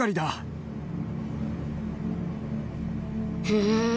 へえ。